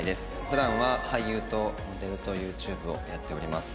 普段は俳優とモデルとＹｏｕＴｕｂｅをやっております。